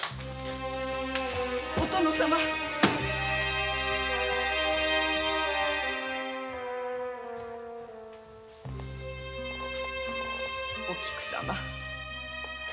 お殿様お菊様。